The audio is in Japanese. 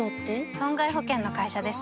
損害保険の会社です